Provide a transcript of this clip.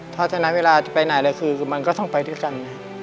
เพราะฉะนั้นเวลาจะไปไหนเลยคือมันก็ต้องไปด้วยกัน